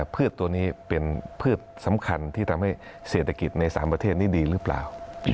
พืชตัวนี้เป็นพืชสำคัญที่ทำให้เศรษฐกิจใน๓ประเทศนี้ดีหรือเปล่า